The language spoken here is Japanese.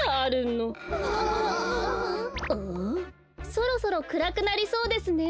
そろそろくらくなりそうですね。